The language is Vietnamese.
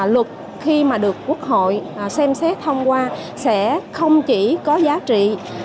luật khi mà được quốc hội xem xét thông qua sẽ không chỉ có giá trị